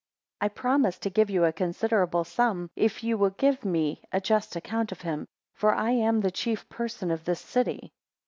15 I promise to give you a considerable sum, if ye will give me a just account of him; for I am the chief person of this city.